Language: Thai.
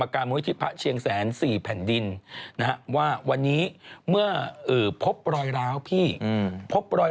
คุณจำคุณได้ดีมั้ย